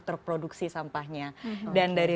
terproduksi sampahnya dan dari